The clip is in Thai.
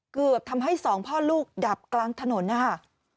เกือบทำให้สองพ่อลูกดับกลางถนนนะคะ